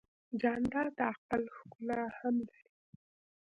جانداد د عقل ښکلا هم لري.